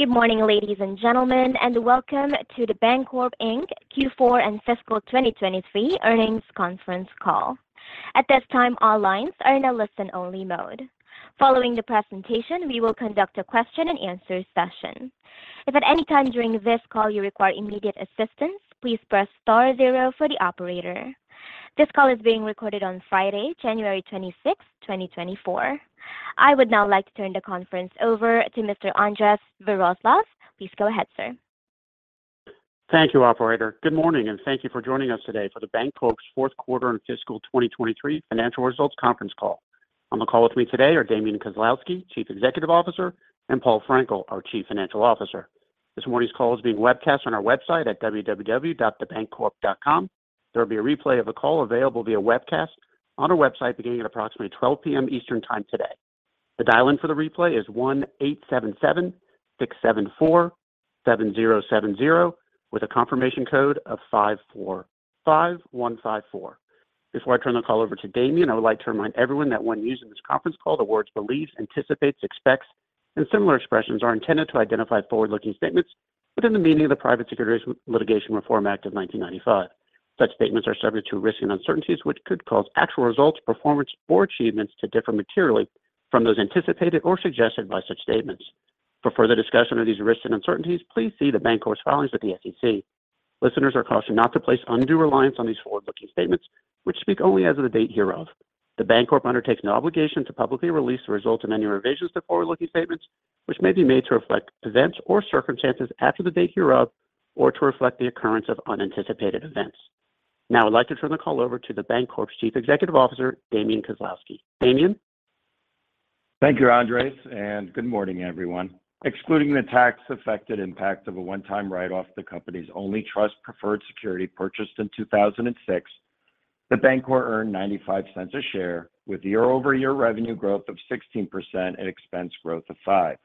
Good morning, ladies and gentlemen, and welcome to The Bancorp Inc. Q4 and fiscal 2023 earnings conference call. At this time, all lines are in a listen-only mode. Following the presentation, we will conduct a question-and-answer session. If at any time during this call you require immediate assistance, please press star zero for the operator. This call is being recorded on Friday, January 26, 2024. I would now like to turn the conference over to Mr. Andres Viroslav. Please go ahead, sir. Thank you, operator. Good morning, and thank you for joining us today for The Bancorp's fourth quarter and fiscal 2023 financial results conference call. On the call with me today are Damian Kozlowski, Chief Executive Officer, and Paul Frenkiel, our Chief Financial Officer. This morning's call is being webcast on our website at www.thebancorp.com. There will be a replay of the call available via webcast on our website, beginning at approximately 12:00 P.M. Eastern Time today. The dial-in for the replay is 1-877-674-7070, with a confirmation code of 545154. Before I turn the call over to Damian, I would like to remind everyone that when using this conference call, the words beliefs, anticipates, expects, and similar expressions are intended to identify forward-looking statements within the meaning of the Private Securities Litigation Reform Act of 1995. Such statements are subject to risks and uncertainties which could cause actual results, performance, or achievements to differ materially from those anticipated or suggested by such statements. For further discussion of these risks and uncertainties, please see The Bancorp's filings with the SEC. Listeners are cautioned not to place undue reliance on these forward-looking statements, which speak only as of the date hereof. The Bancorp undertakes no obligation to publicly release the results of any revisions to forward-looking statements, which may be made to reflect events or circumstances after the date hereof or to reflect the occurrence of unanticipated events. Now, I'd like to turn the call over to The Bancorp's Chief Executive Officer, Damian Kozlowski. Damian? Thank you, Andres, and good morning, everyone. Excluding the tax-affected impact of a one-time write-off of the company's only trust preferred security purchased in 2006, The Bancorp earned $0.95 per share, with year-over-year revenue growth of 16% and expense growth of 5%.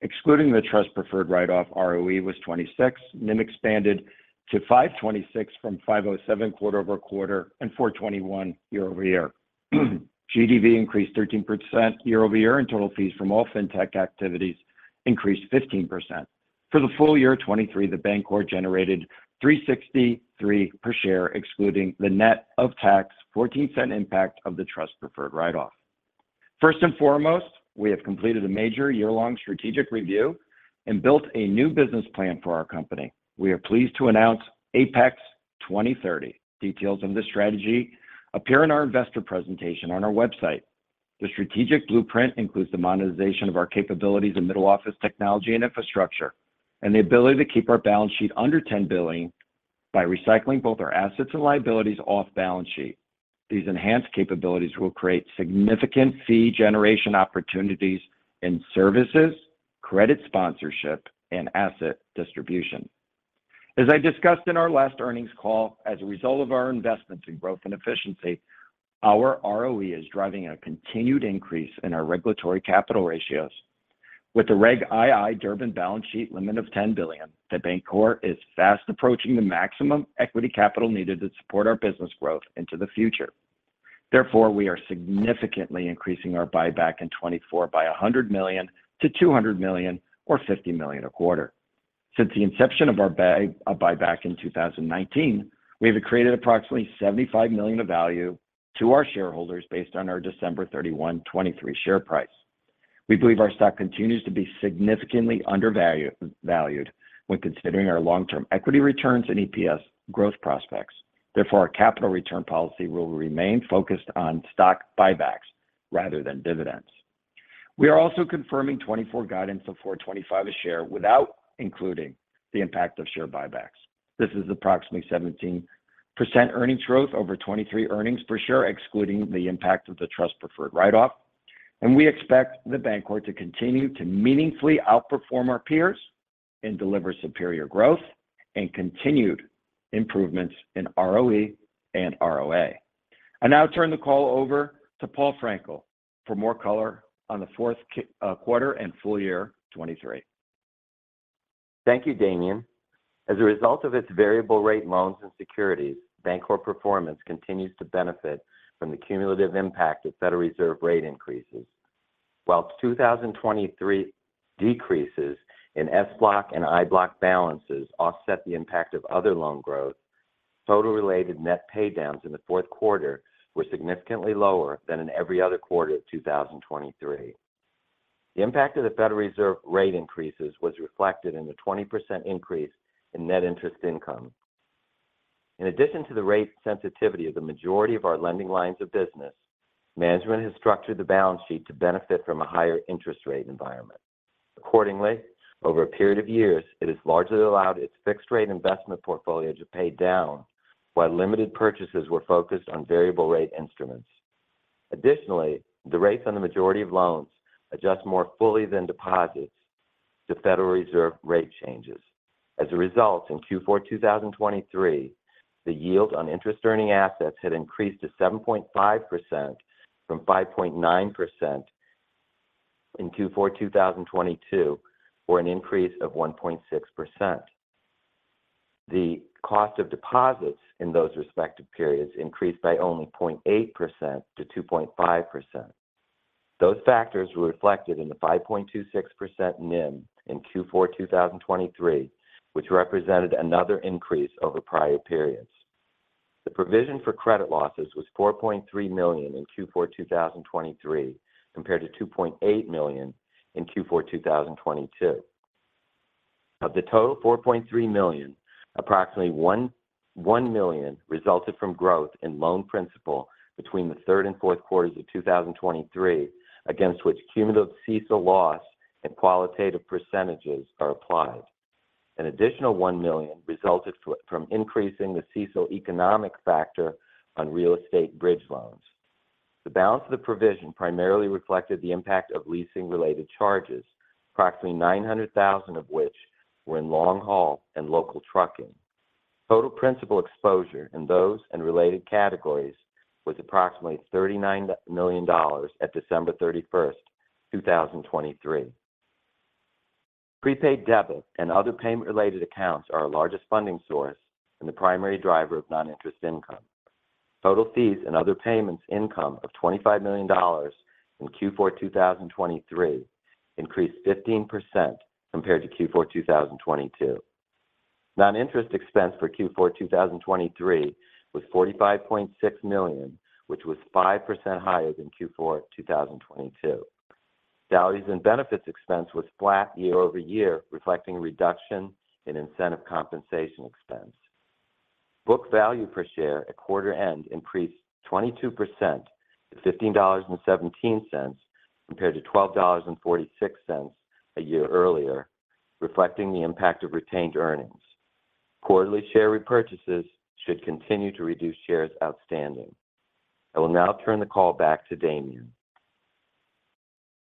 Excluding the trust preferred write-off, ROE was 26%. NIM expanded to 5.26% from 5.07% quarter-over-quarter and 4.21% year-over-year. GDV increased 13% year-over-year, and total fees from all fintech activities increased 15%. For the full year 2023, The Bancorp generated $3.63 per share, excluding the net-of-tax 14-cent impact of the trust preferred write-off. First and foremost, we have completed a major year-long strategic review and built a new business plan for our company. We are pleased to announce Apex 2030. Details on this strategy appear in our investor presentation on our website. The strategic blueprint includes the monetization of our capabilities in middle office technology and infrastructure, and the ability to keep our balance sheet under $10 billion by recycling both our assets and liabilities off balance sheet. These enhanced capabilities will create significant fee generation opportunities in services, credit sponsorship, and asset distribution. As I discussed in our last earnings call, as a result of our investments in growth and efficiency, our ROE is driving a continued increase in our regulatory capital ratios. With the Reg II Durbin balance sheet limit of $10 billion, The Bancorp is fast approaching the maximum equity capital needed to support our business growth into the future. Therefore, we are significantly increasing our buyback in 2024 by $100 million to $200 million or $50 million a quarter. Since the inception of our buy, our buyback in 2019, we have created approximately $75 million of value to our shareholders based on our December 31, 2023 share price. We believe our stock continues to be significantly undervalued, valued when considering our long-term equity returns and EPS growth prospects. Therefore, our capital return policy will remain focused on stock buybacks rather than dividends. We are also confirming 2024 guidance of $4.25 a share without including the impact of share buybacks. This is approximately 17% earnings growth over 2023 earnings per share, excluding the impact of the trust preferred write-off, and we expect The Bancorp to continue to meaningfully outperform our peers and deliver superior growth and continued improvements in ROE and ROA. I now turn the call over to Paul Frenkiel for more color on the fourth quarter and full year 2023. Thank you, Damian. As a result of its variable rate loans and securities, The Bancorp performance continues to benefit from the cumulative impact of Federal Reserve rate increases. While 2023 decreases in SBLOC and IBLOC balances offset the impact of other loan growth, total related net paydowns in the fourth quarter were significantly lower than in every other quarter of 2023. The impact of the Federal Reserve rate increases was reflected in the 20% increase in net interest income. In addition to the rate sensitivity of the majority of our lending lines of business, management has structured the balance sheet to benefit from a higher interest rate environment. Accordingly, over a period of years, it has largely allowed its fixed rate investment portfolio to pay down, while limited purchases were focused on variable rate instruments. Additionally, the rates on the majority of loans adjust more fully than deposits to Federal Reserve rate changes. As a result, in Q4 2023, the yield on interest-earning assets had increased to 7.5% from 5.9% in Q4 2022, for an increase of 1.6%. The cost of deposits in those respective periods increased by only 0.8% to 2.5%. Those factors were reflected in the 5.26% NIM in Q4 2023, which represented another increase over prior periods. The provision for credit losses was $4.3 million in Q4 2023, compared to $2.8 million in Q4 2022. Of the total of $4.3 million, approximately $1 million resulted from growth in loan principal between the third and fourth quarters of 2023, against which cumulative CECL loss and qualitative percentages are applied. An additional $1 million resulted from increasing the CECL economic factor on real estate bridge loans. The balance of the provision primarily reflected the impact of leasing-related charges, approximately $900,000 of which were in long haul and local trucking. Total principal exposure in those and related categories was approximately $39 million at December 31, 2023. Prepaid debit and other payment-related accounts are our largest funding source and the primary driver of non-interest income. Total fees and other payments income of $25 million in Q4 2023 increased 15% compared to Q4 2022. Non-interest expense for Q4 2023 was $45.6 million, which was 5% higher than Q4 2022. Salaries and benefits expense was flat year-over-year, reflecting a reduction in incentive compensation expense. Book value per share at quarter end increased 22% to $15.17, compared to $12.46 a year earlier, reflecting the impact of retained earnings. Quarterly share repurchases should continue to reduce shares outstanding. I will now turn the call back to Damian.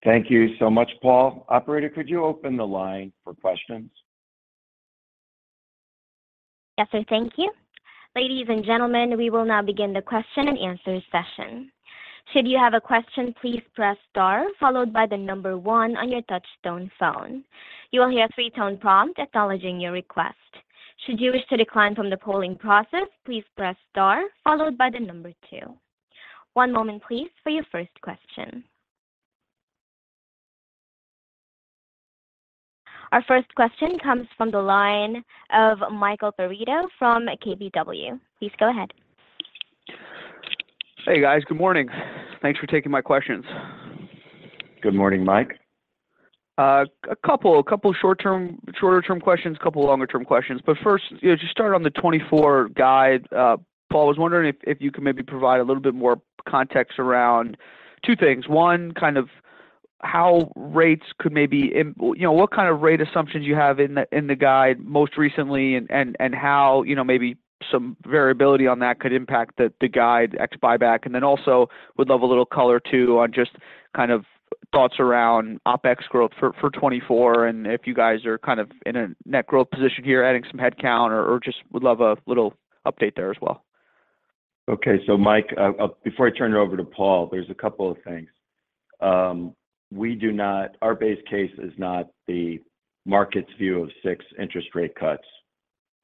Thank you so much, Paul. Operator, could you open the line for questions? Yes, sir. Thank you. Ladies and gentlemen, we will now begin the question and answer session. Should you have a question, please press star followed by the number 1 on your touchtone phone. You will hear a 3-tone prompt acknowledging your request. Should you wish to decline from the polling process, please press star followed by the number 2. One moment, please, for your first question. Our first question comes from the line of Michael Perito from KBW. Please go ahead. Hey, guys. Good morning. Thanks for taking my questions. Good morning, Mike. A couple short-term, shorter-term questions, a couple longer-term questions. But first, just start on the 2024 guide. Paul, I was wondering if you could maybe provide a little bit more context around two things. One, kind of how rates could maybe, you know, what kind of rate assumptions you have in the guide most recently, and how, you know, maybe some variability on that could impact the guide ex buyback. And then also, would love a little color, too, on just kind of thoughts around OpEx growth for 2024, and if you guys are kind of in a net growth position here, adding some headcount or just would love a little update there as well. Okay. So Mike, before I turn it over to Paul, there's a couple of things. We do not. Our base case is not the market's view of 6 interest rate cuts.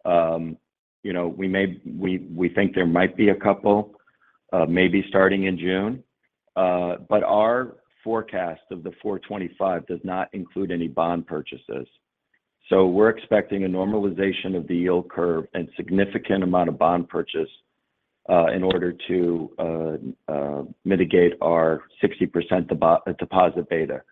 You know, we may—we think there might be a couple, maybe starting in June, but our forecast of the 4.25 does not include any bond purchases. So we're expecting a normalization of the yield curve and significant amount of bond purchase in order to mitigate our 60% deposit beta.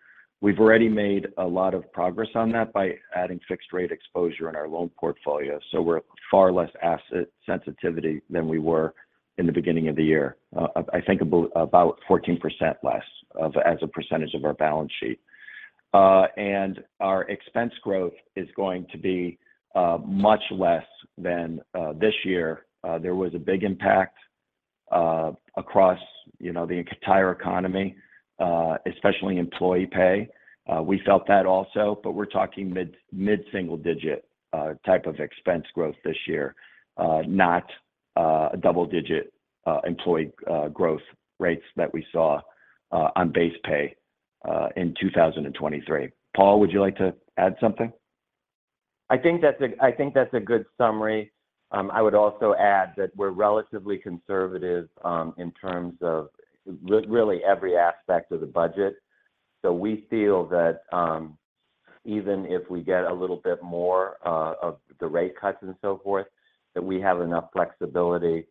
We've already made a lot of progress on that by adding fixed rate exposure in our loan portfolio, so we're far less asset sensitivity than we were in the beginning of the year. I think about 14% less of—as a percentage of our balance sheet. And our expense growth is going to be much less than this year. There was a big impact across, you know, the entire economy, especially employee pay. We felt that also, but we're talking mid-single digit type of expense growth this year, not a double-digit employee growth rates that we saw on base pay in 2023. Paul, would you like to add something? I think that's a good summary. I would also add that we're relatively conservative in terms of really every aspect of the budget. So we feel that even if we get a little bit more of the rate cuts and so forth, that we have enough flexibility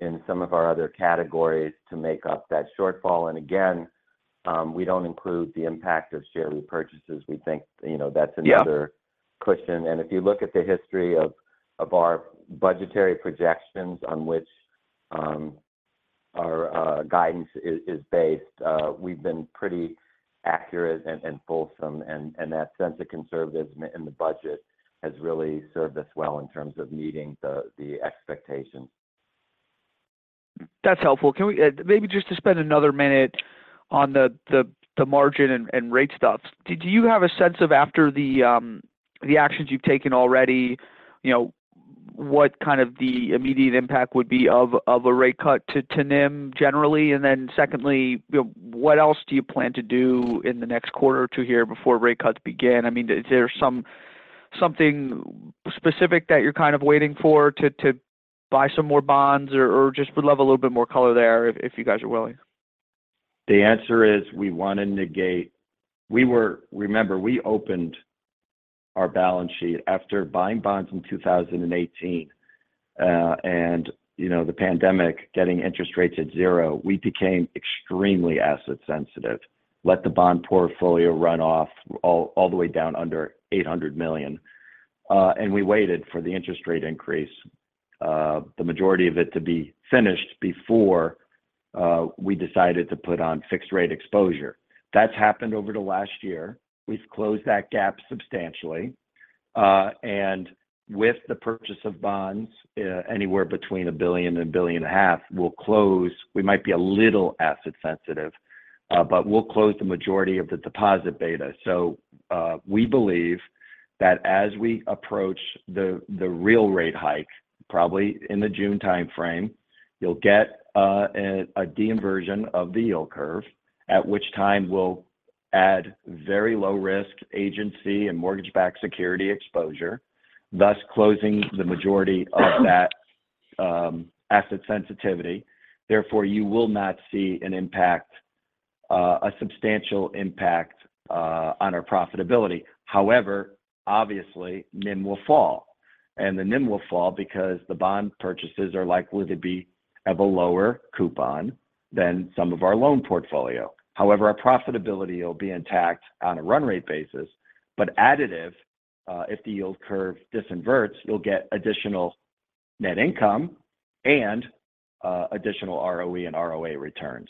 in some of our other categories to make up that shortfall. And again, we don't include the impact of share repurchases. We think, you know, that's another- Yeah - question. And if you look at the history of our budgetary projections on which our guidance is based, we've been pretty accurate and fulsome, and that sense of conservatism in the budget has really served us well in terms of meeting the expectations. That's helpful. Can we maybe just to spend another minute on the margin and rate stuff. Do you have a sense of after the actions you've taken already, you know, what kind of the immediate impact would be of a rate cut to NIM generally? And then secondly, you know, what else do you plan to do in the next quarter or two here before rate cuts begin? I mean, is there some something specific that you're kind of waiting for to buy some more bonds, or just would love a little bit more color there if you guys are willing? The answer is, we wanna negate. Remember, we opened our balance sheet after buying bonds in 2018. And, you know, the pandemic, getting interest rates at zero, we became extremely asset sensitive. Let the bond portfolio run off all the way down under $800 million, and we waited for the interest rate increase, the majority of it to be finished before we decided to put on fixed rate exposure. That's happened over the last year. We've closed that gap substantially. And with the purchase of bonds, anywhere between $1 billion and $1.5 billion, we'll close. We might be a little asset sensitive, but we'll close the majority of the deposit beta. So, we believe that as we approach the real rate hike, probably in the June time frame, you'll get a de-inversion of the yield curve, at which time we'll add very low-risk agency and mortgage-backed security exposure, thus closing the majority of that asset sensitivity. Therefore, you will not see a substantial impact on our profitability. However, obviously, NIM will fall, and the NIM will fall because the bond purchases are likely to be of a lower coupon than some of our loan portfolio. However, our profitability will be intact on a run rate basis, but additive if the yield curve disinverts, you'll get additional net income and additional ROE and ROA returns.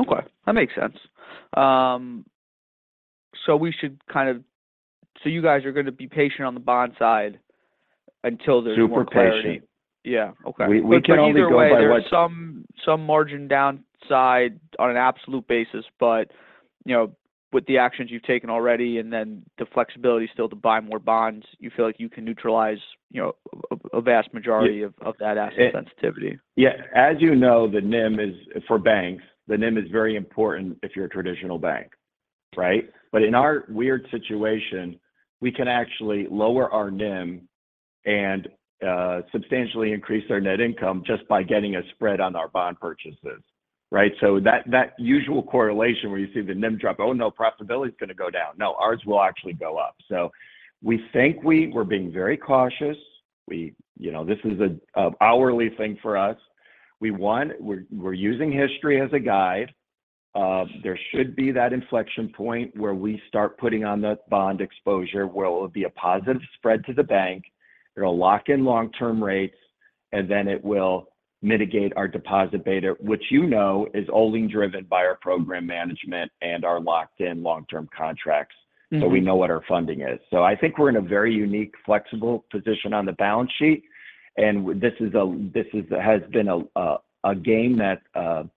Okay, that makes sense. So you guys are gonna be patient on the bond side until there's more clarity. Super patient. Yeah. Okay. We can only go by what- But either way, there's some margin downside on an absolute basis, but, you know, with the actions you've taken already and then the flexibility still to buy more bonds, you feel like you can neutralize, you know, a vast majority- Yeah... of that asset sensitivity. Yeah. As you know, the NIM is, for banks, the NIM is very important if you're a traditional bank, right? But in our weird situation, we can actually lower our NIM and substantially increase our net income just by getting a spread on our bond purchases, right? So that usual correlation where you see the NIM drop, "Oh, no, profitability's gonna go down." No, ours will actually go up. So we think we're being very cautious. You know, this is an hourly thing for us. We're using history as a guide. There should be that inflection point where we start putting on the bond exposure, where it'll be a positive spread to the bank. It'll lock in long-term rates, and then it will mitigate our deposit beta, which you know is only driven by our program management and our locked-in long-term contracts. Mm-hmm. So we know what our funding is. So I think we're in a very unique, flexible position on the balance sheet, and this is a game that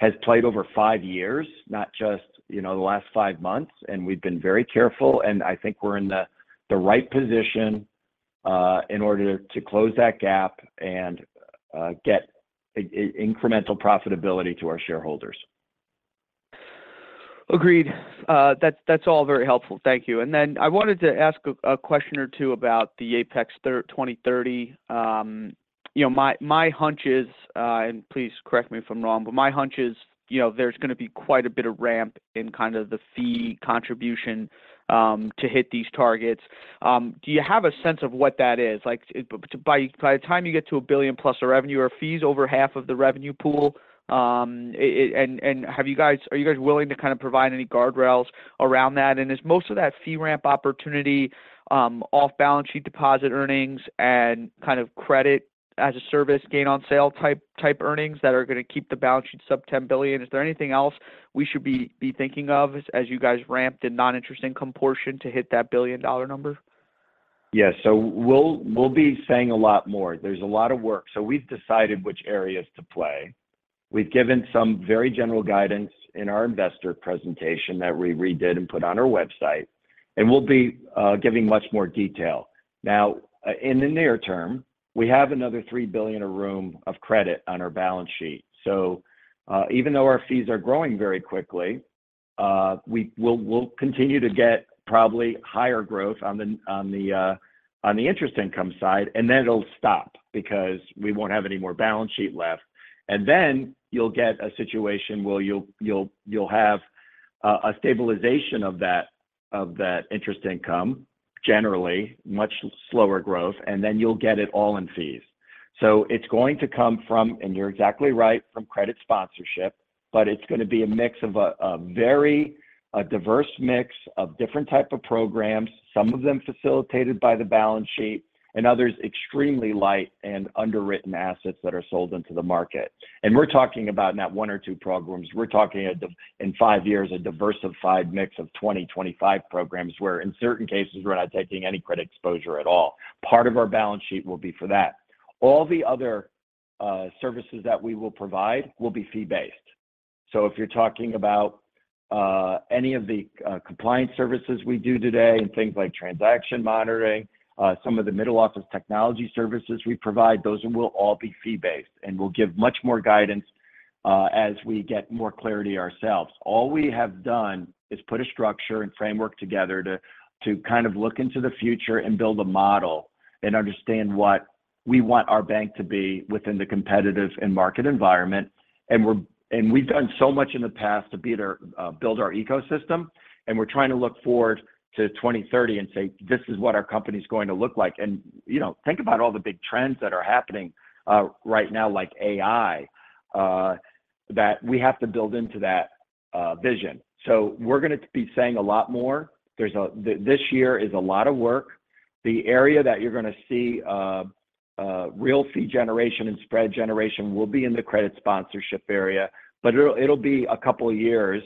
has played over five years, not just, you know, the last five months, and we've been very careful, and I think we're in the right position in order to close that gap and get incremental profitability to our shareholders. Agreed. That's all very helpful. Thank you. And then I wanted to ask a question or two about the Apex 2030. You know, my hunch is, and please correct me if I'm wrong, but my hunch is, you know, there's gonna be quite a bit of ramp in kind of the fee contribution to hit these targets. Do you have a sense of what that is? Like, by the time you get to $1 billion+ of revenue, are fees over half of the revenue pool? And have you guys—are you guys willing to kind of provide any guardrails around that? Is most of that fee ramp opportunity off-balance sheet deposit earnings and kind of credit as a service, gain on sale type earnings that are gonna keep the balance sheet sub $10 billion? Is there anything else we should be thinking of as you guys ramp the non-interest income portion to hit that billion-dollar number? Yes. So we'll, we'll be saying a lot more. There's a lot of work. So we've decided which areas to play. We've given some very general guidance in our investor presentation that we redid and put on our website, and we'll be giving much more detail. Now, in the near term, we have another $3 billion of room of credit on our balance sheet. So, even though our fees are growing very quickly, we'll, we'll continue to get probably higher growth on the, on the, on the interest income side, and then it'll stop because we won't have any more balance sheet left. And then you'll get a situation where you'll, you'll, you'll have a, a stabilization of that, of that interest income, generally much slower growth, and then you'll get it all in fees. So it's going to come from, and you're exactly right, from credit sponsorship, but it's gonna be a mix of a very diverse mix of different type of programs. Some of them facilitated by the balance sheet, and others extremely light and underwritten assets that are sold into the market. And we're talking about not 1 or 2 programs. We're talking in 5 years, a diversified mix of 20-25 programs, where in certain cases, we're not taking any credit exposure at all. Part of our balance sheet will be for that. All the other services that we will provide will be fee-based. So if you're talking about any of the compliance services we do today and things like transaction monitoring, some of the middle-office technology services we provide, those will all be fee-based, and we'll give much more guidance-... As we get more clarity ourselves. All we have done is put a structure and framework together to kind of look into the future and build a model and understand what we want our bank to be within the competitive and market environment. And we've done so much in the past to build our ecosystem, and we're trying to look forward to 2030 and say, "This is what our company's going to look like." And, you know, think about all the big trends that are happening right now, like AI, that we have to build into that vision. So we're gonna be saying a lot more. This year is a lot of work. The area that you're gonna see real fee generation and spread generation will be in the credit sponsorship area, but it'll, it'll be a couple of years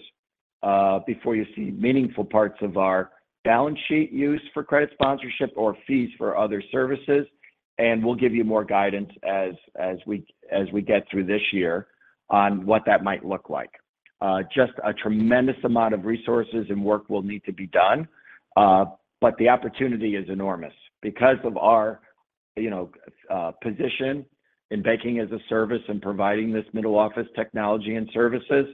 before you see meaningful parts of our balance sheet use for credit sponsorship or fees for other services, and we'll give you more guidance as we get through this year on what that might look like. Just a tremendous amount of resources and work will need to be done, but the opportunity is enormous. Because of our, you know, position in banking as a service and providing this middle-office technology and services,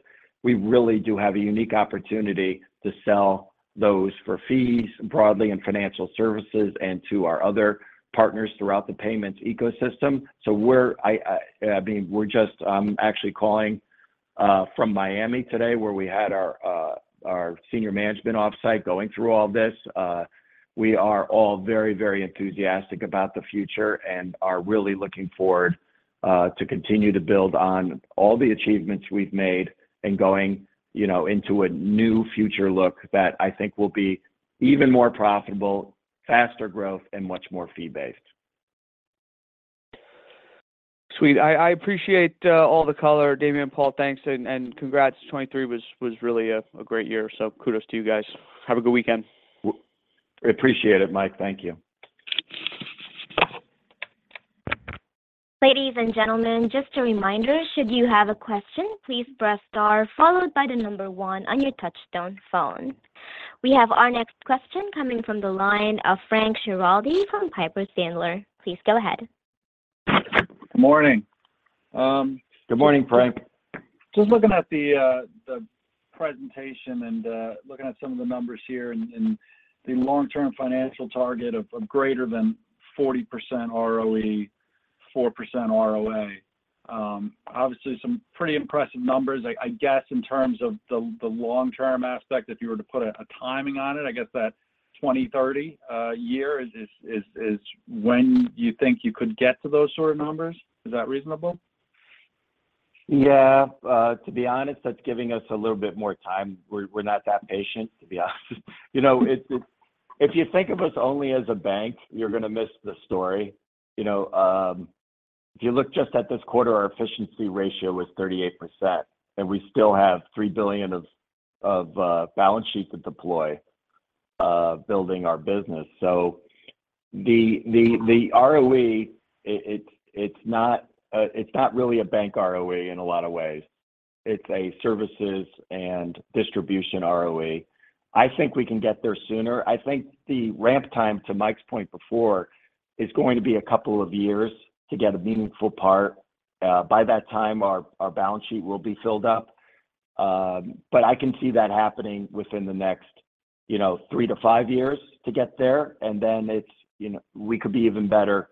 we really do have a unique opportunity to sell those for fees broadly in financial services and to our other partners throughout the payments ecosystem. I mean, we're just actually calling from Miami today, where we had our senior management offsite going through all this. We are all very, very enthusiastic about the future and are really looking forward to continue to build on all the achievements we've made and going, you know, into a new future look that I think will be even more profitable, faster growth, and much more fee-based. Sweet. I appreciate all the color, Damian and Paul. Thanks and congrats. 2023 was really a great year, so kudos to you guys. Have a good weekend. Appreciate it, Mike. Thank you. Ladies and gentlemen, just a reminder, should you have a question, please press star followed by the number one on your touch-tone phone. We have our next question coming from the line of Frank Schiraldi from Piper Sandler. Please go ahead. Good morning. Good morning, Frank. Just looking at the presentation and looking at some of the numbers here and the long-term financial target of greater than 40% ROE, 4% ROA. Obviously some pretty impressive numbers. I guess, in terms of the long-term aspect, if you were to put a timing on it, I guess that 2030 year is when you think you could get to those sort of numbers? Is that reasonable? Yeah. To be honest, that's giving us a little bit more time. We're not that patient, to be honest. You know, it's- if you think of us only as a bank, you're gonna miss the story. You know, if you look just at this quarter, our efficiency ratio was 38%, and we still have $3 billion of balance sheet to deploy, building our business. So the ROE, it's not really a bank ROE in a lot of ways. It's a services and distribution ROE. I think we can get there sooner. I think the ramp time, to Mike's point before, is going to be a couple of years to get a meaningful part. By that time, our balance sheet will be filled up. But I can see that happening within the next, you know, 3-5 years to get there, and then it's, you know, we could be even better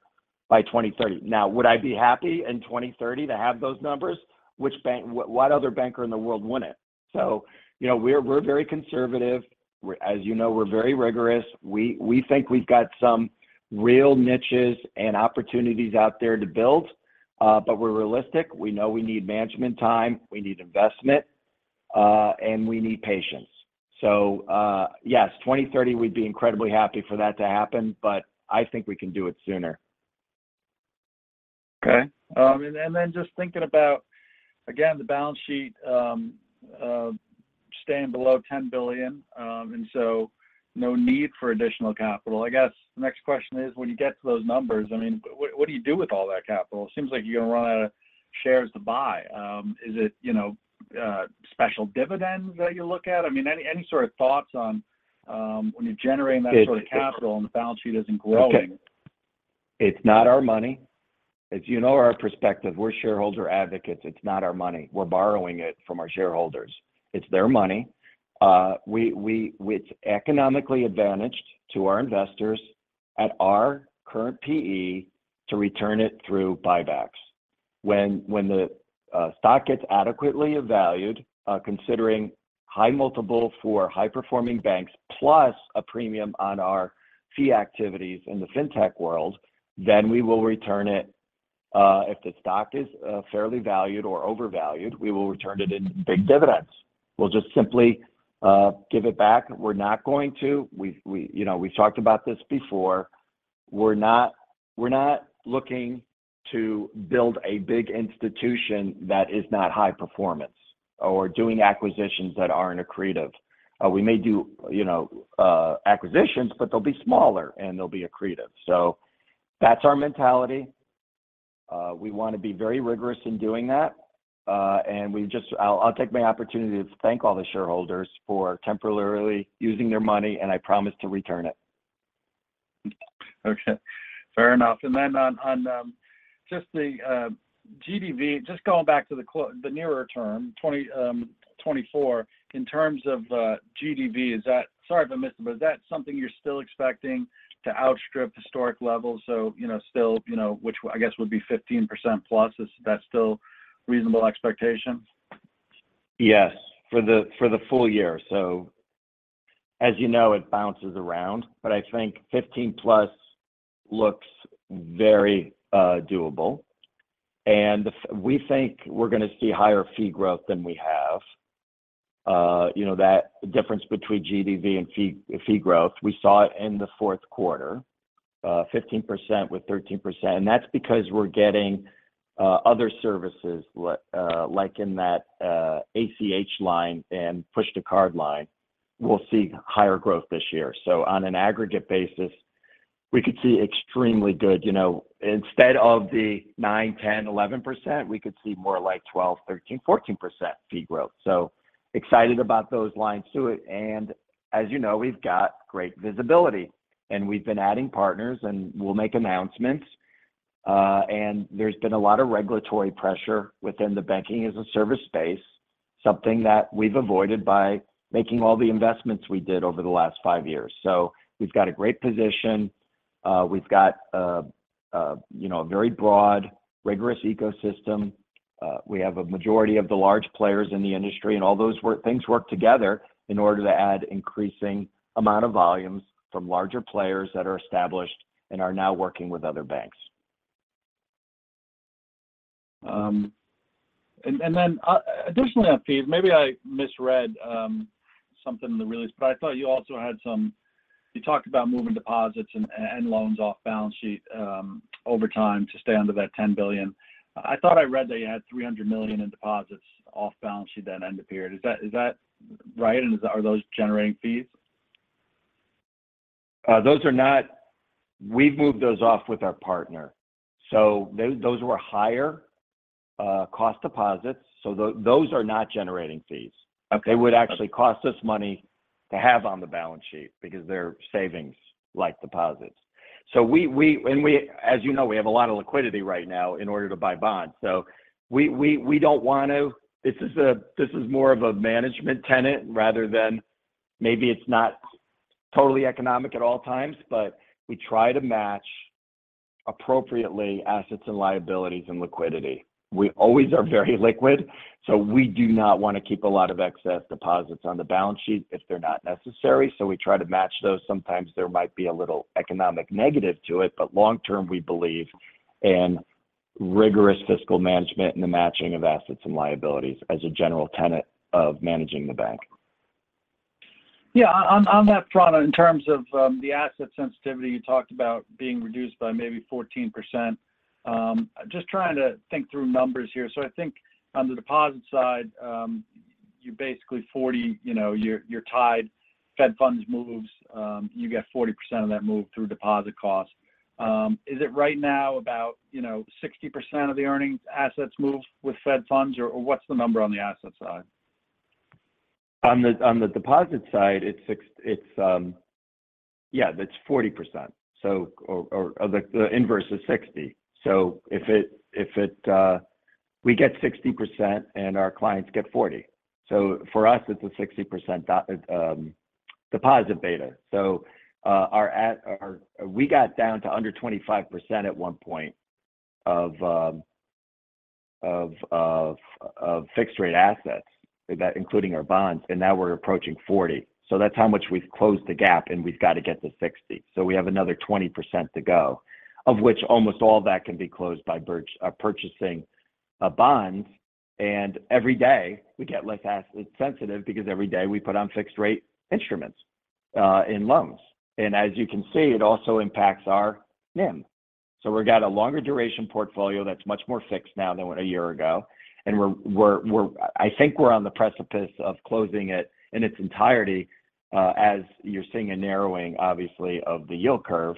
by 2030. Now, would I be happy in 2030 to have those numbers? What other banker in the world wouldn't? So, you know, we're, we're very conservative. We're as you know, we're very rigorous. We, we think we've got some real niches and opportunities out there to build, but we're realistic. We know we need management time, we need investment, and we need patience. So, yes, 2030, we'd be incredibly happy for that to happen, but I think we can do it sooner. Okay. And then just thinking about, again, the balance sheet, staying below $10 billion, and so no need for additional capital. I guess the next question is, when you get to those numbers, I mean, what do you do with all that capital? It seems like you're gonna run out of shares to buy. Is it, you know, special dividends that you look at? I mean, any sort of thoughts on, when you're generating that sort of capital- It- the balance sheet isn't growing? Okay. It's not our money. As you know, our perspective, we're shareholder advocates. It's not our money. We're borrowing it from our shareholders. It's their money. It's economically advantaged to our investors at our current PE to return it through buybacks. When the stock gets adequately valued, considering high multiple for high-performing banks, plus a premium on our fee activities in the fintech world, then we will return it. If the stock is fairly valued or overvalued, we will return it in big dividends. We'll just simply give it back. We're not going to. You know, we've talked about this before. We're not looking to build a big institution that is not high performance or doing acquisitions that aren't accretive. We may do, you know, acquisitions, but they'll be smaller, and they'll be accretive. So that's our mentality. We want to be very rigorous in doing that, and I'll take my opportunity to thank all the shareholders for temporarily using their money, and I promise to return it.... Okay, fair enough. And then on just the GDV, just going back to the nearer term, 2024, in terms of GDV, is that- sorry if I missed it, but is that something you're still expecting to outstrip historic levels? So, you know, still, you know, which- I guess, would be 15% plus. Is that still reasonable expectation? Yes, for the full year. So as you know, it bounces around, but I think 15+ looks very doable. And we think we're going to see higher fee growth than we have. You know, that difference between GDV and fee, fee growth, we saw it in the fourth quarter, 15% with 13%, and that's because we're getting other services, like in that ACH line and push-to-card line. We'll see higher growth this year. So on an aggregate basis, we could see extremely good, you know. Instead of the 9, 10, 11%, we could see more like 12, 13, 14% fee growth. So excited about those lines to it, and as you know, we've got great visibility, and we've been adding partners, and we'll make announcements. And there's been a lot of regulatory pressure within the banking-as-a-service space, something that we've avoided by making all the investments we did over the last five years. We've got a great position. We've got a you know, a very broad, rigorous ecosystem. We have a majority of the large players in the industry, and all those things work together in order to add increasing amount of volumes from larger players that are established and are now working with other banks. And then, additionally, on fees, maybe I misread something in the release, but I thought you also had some—you talked about moving deposits and loans off balance sheet over time to stay under that $10 billion. I thought I read that you had $300 million in deposits off balance sheet at end of period. Is that right, and are those generating fees? Those are not. We've moved those off with our partner. So those were higher cost deposits, so those are not generating fees. Okay. They would actually cost us money to have on the balance sheet because they're savings-like deposits. So, as you know, we have a lot of liquidity right now in order to buy bonds. This is more of a management tenet rather than maybe it's not totally economic at all times, but we try to match appropriately assets and liabilities and liquidity. We always are very liquid, so we do not want to keep a lot of excess deposits on the balance sheet if they're not necessary. So we try to match those. Sometimes there might be a little economic negative to it, but long term, we believe in rigorous fiscal management and the matching of assets and liabilities as a general tenet of managing the bank. Yeah, on that front, in terms of the asset sensitivity, you talked about being reduced by maybe 14%. Just trying to think through numbers here. So I think on the deposit side, you're basically 40, you know, you're tied. Fed Funds moves, you get 40% of that move through deposit costs. Is it right now about, you know, 60% of the earnings assets move with Fed Funds, or what's the number on the asset side? On the deposit side, it's 40%, so the inverse is 60. So we get 60%, and our clients get 40. So for us, it's a 60% deposit beta. So we got down to under 25% at one point of fixed-rate assets, that including our bonds, and now we're approaching 40. So that's how much we've closed the gap, and we've got to get to 60. So we have another 20% to go, of which almost all of that can be closed by purchasing bonds. And every day, we get less asset sensitive because every day we put on fixed-rate instruments in loans. And as you can see, it also impacts our NIM. So we've got a longer duration portfolio that's much more fixed now than a year ago, and we're, I think we're on the precipice of closing it in its entirety, as you're seeing a narrowing, obviously, of the yield curve,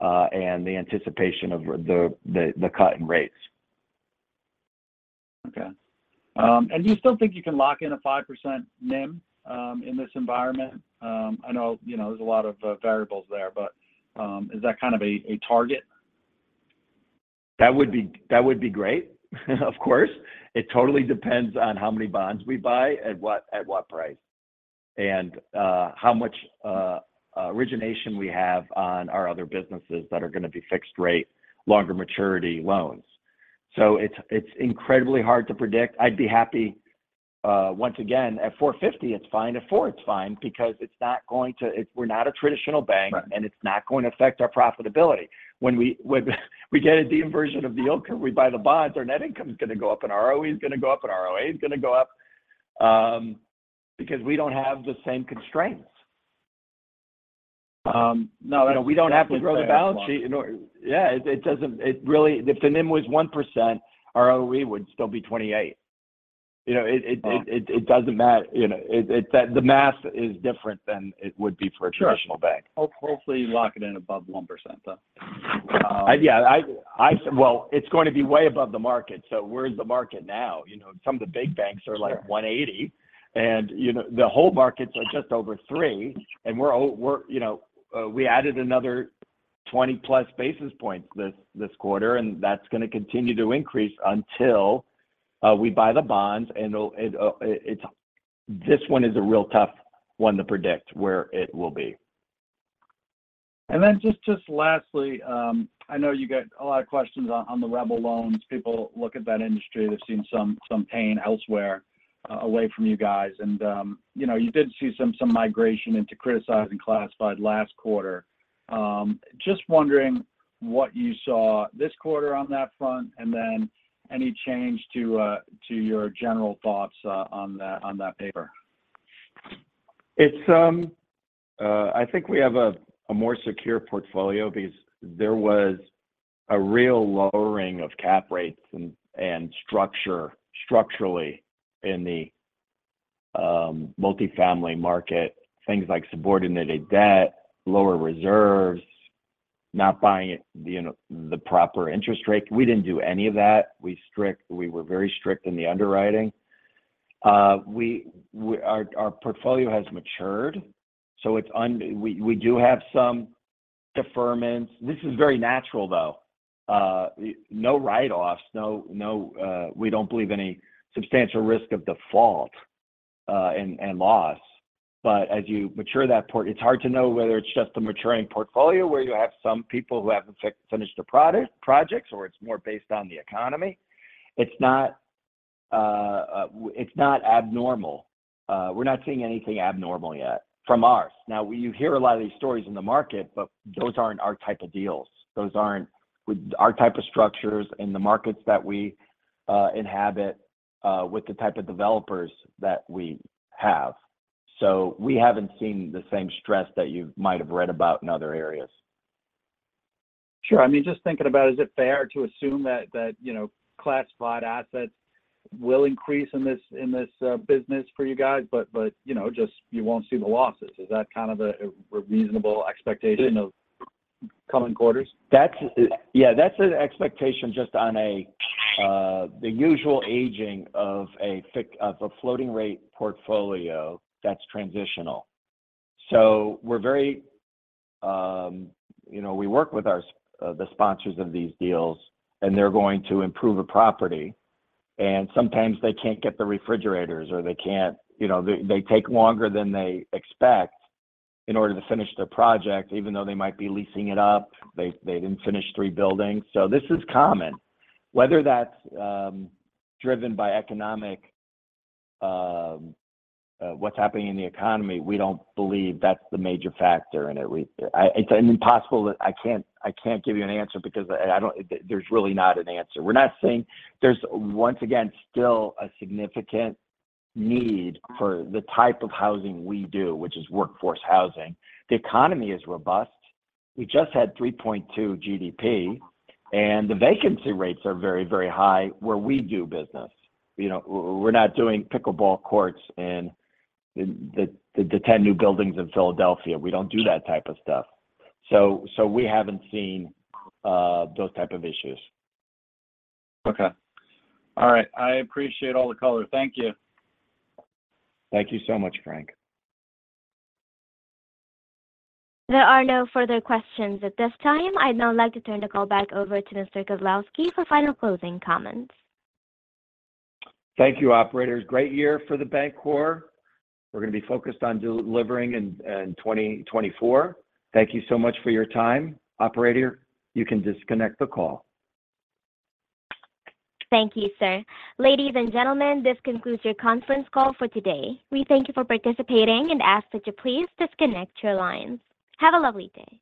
and the anticipation of the cut in rates. Okay. Um- Do you still think you can lock in a 5% NIM in this environment? I know, you know, there's a lot of variables there, but is that kind of a target? That would be, that would be great, of course. It totally depends on how many bonds we buy, at what price, and origination we have on our other businesses that are going to be fixed rate, longer maturity loans. So it's incredibly hard to predict. I'd be happy. Once again, at 4.50, it's fine. At 4, it's fine because it's not going to, we're not a traditional bank. Right... and it's not going to affect our profitability. When we get a de-inversion of the yield curve, we buy the bonds, our net income is going to go up, and our ROE is going to go up, and our ROA is going to go up, because we don't have the same constraints. No, we don't have to grow the balance sheet in order- That's right. Yeah, it doesn't. It really, if the NIM was 1%, our ROE would still be 28%. You know... Wow... it doesn't matter. You know, the math is different than it would be for a traditional bank. Sure. Hopefully, you lock it in above 1%, though.... Yeah, I well, it's going to be way above the market, so where's the market now? You know, some of the big banks are, like, 180, and, you know, the whole markets are just over 3, and we're you know, we added another 20+ basis points this quarter, and that's gonna continue to increase until we buy the bonds, and it'll it's... This one is a real tough one to predict where it will be. And then just lastly, I know you get a lot of questions on the rebel loans. People look at that industry, they've seen some pain elsewhere, away from you guys. You know, you did see some migration into criticized classified last quarter. Just wondering what you saw this quarter on that front, and then any change to your general thoughts on that paper? It's, I think we have a more secure portfolio because there was a real lowering of cap rates and structure structurally in the multifamily market. Things like subordinated debt, lower reserves, not buying it, you know, the proper interest rate. We didn't do any of that. We were very strict in the underwriting. Our portfolio has matured, so we do have some deferments. This is very natural, though. No write-offs, we don't believe any substantial risk of default, and loss. But as you mature that portfolio, it's hard to know whether it's just a maturing portfolio, where you have some people who haven't finished their projects, or it's more based on the economy. It's not abnormal. We're not seeing anything abnormal yet from ours. Now, you hear a lot of these stories in the market, but those aren't our type of deals. Those aren't our type of structures in the markets that we, inhabit, with the type of developers that we have. So we haven't seen the same stress that you might have read about in other areas. Sure. I mean, just thinking about, is it fair to assume that, you know, classified assets will increase in this business for you guys, but, you know, just you won't see the losses? Is that kind of a reasonable expectation of coming quarters? That's, yeah, that's an expectation just on a, the usual aging of a floating rate portfolio that's transitional. So we're very... You know, we work with our, the sponsors of these deals, and they're going to improve a property, and sometimes they can't get the refrigerators, or they can't, you know, they take longer than they expect in order to finish their project, even though they might be leasing it up. They didn't finish three buildings. So this is common. Whether that's driven by economic, what's happening in the economy, we don't believe that's the major factor in it. It's impossible that... I can't give you an answer because I don't. There's really not an answer. We're not saying there's, once again, still a significant need for the type of housing we do, which is workforce housing. The economy is robust. We just had 3.2 GDP, and the vacancy rates are very, very high where we do business. You know, we're not doing pickleball courts in the ten new buildings in Philadelphia. We don't do that type of stuff. So we haven't seen those type of issues. Okay. All right. I appreciate all the color. Thank you. Thank you so much, Frank. There are no further questions at this time. I'd now like to turn the call back over to Mr. Kozlowski for final closing comments. Thank you, operator. Great year for The Bancorp. We're gonna be focused on delivering in 2024. Thank you so much for your time. Operator, you can disconnect the call. Thank you, sir. Ladies and gentlemen, this concludes your conference call for today. We thank you for participating and ask that you please disconnect your lines. Have a lovely day.